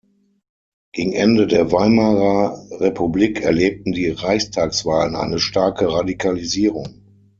Gegen Ende der Weimarer Republik erlebten die Reichstagswahlen eine starke Radikalisierung.